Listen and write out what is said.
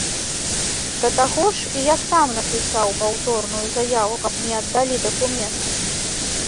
Да таго ж, і я сам напісаў паўторную заяву, каб мне аддалі дакумент.